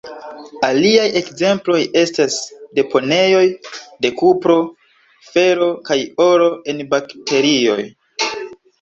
Aliaj ekzemploj estas deponejoj de kupro, fero kaj oro en bakterioj.